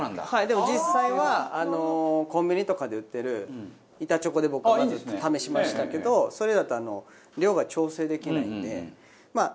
でも実際はコンビニとかで売ってる板チョコで僕はまず試しましたけどそれだと量が調整できないんで。